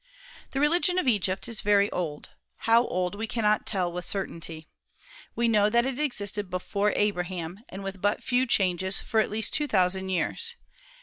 The religion of Egypt is very old, how old we cannot tell with certainty. We know that it existed before Abraham, and with but few changes, for at least two thousand years.